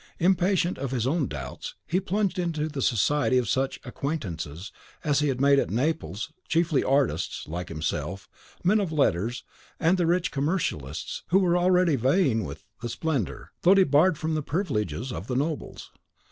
Impatient of his own doubts, he plunged into the society of such acquaintances as he had made at Naples chiefly artists, like himself, men of letters, and the rich commercialists, who were already vying with the splendour, though debarred from the privileges, of the nobles.